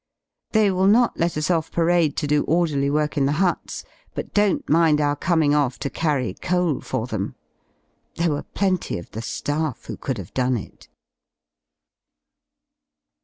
They will not let us off parade to do orderly work in the huts, but don't mind our coming off to carry coal for them. There were plenty of the Aaff who could have done it.